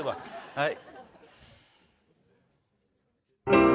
はい。